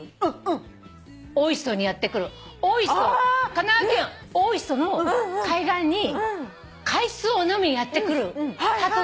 神奈川県大磯の海岸に海水を飲みにやって来るハトの。